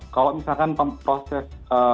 kalau misalkan proses